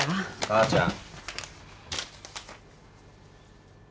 母ちゃん！